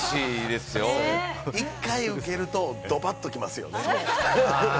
一回ウケるとドバッときますよね。